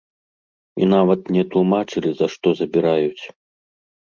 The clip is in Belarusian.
І нават не тлумачылі, за што забіраюць.